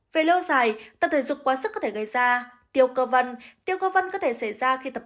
về lâu dài tập thể dục quá sức có thể gây ra tiêu cơ vần tiêu cơ văn có thể xảy ra khi tập